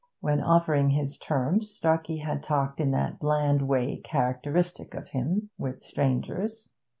When offering his terms Starkey had talked in that bland way characteristic of him with strangers.